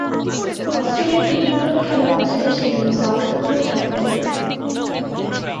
Australia cricket দলে খেলার পাশাপাশি নিউ সাউথ ওয়েলসের পক্ষে খেলছেন।